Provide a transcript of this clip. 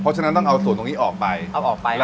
เพราะฉะนั้นต้องเอาส่วนตรงนี้ออกไปเอาออกไปแล้ว